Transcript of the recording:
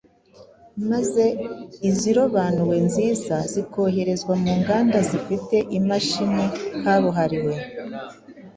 maze izirobanuwe nziza zikoherezwa mu nganda zifite imashini kabuhariwe